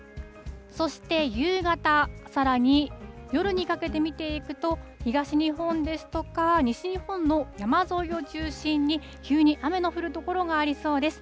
そして、夕方、さらに夜にかけて見ていくと、東日本ですとか、西日本の山沿いを中心に、急に雨の降る所がありそうです。